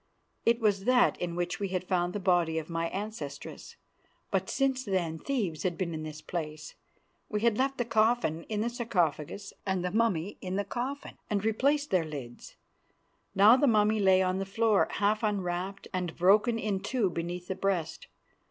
It was that in which we had found the body of my ancestress; but since then thieves had been in this place. We had left the coffin in the sarcophagus and the mummy in the coffin, and replaced their lids. Now the mummy lay on the floor, half unwrapped and broken in two beneath the breast.